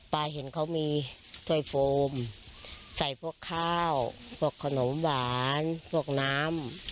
เห็นเขามีถ้วยโฟมใส่พวกข้าวพวกขนมหวานพวกน้ำ